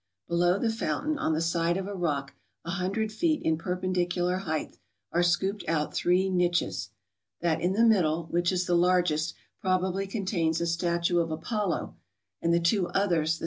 Below the fountain, on the side of a rock a hundred feet in perpendicular height, are scooped out three niches. That in the middle, which is the largest, probably contains a statue of Apollo, and the two others the PARNASSCS.